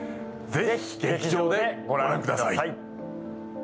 ぜひ劇場で御覧ください。